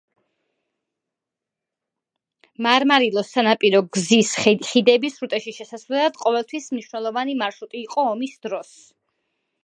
მარმარილოს სანაპირო გზის ხიდები სრუტეში შესასვლელად, ყოველთვის მნიშვნელოვანი მარშრუტი იყო ომის დროს.